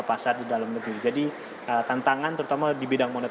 jadi ini adalah bagaimana cara kita melakukan ini